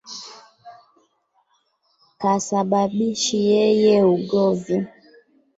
Kasababishi yeye ugovi.